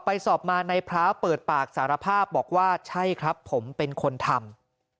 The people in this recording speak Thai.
ไปสอบมานายพร้าวเปิดปากสารภาพบอกว่าใช่ครับผมเป็นคนทำ